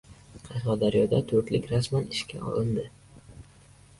Qashqadaryoda «to‘rtlik» rasman ishdan olindi